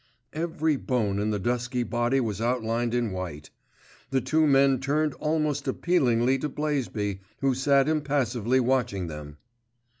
Every bone in the dusky body was outlined in white. The two men turned almost appealingly to Blaisby, who sat impassively watching them.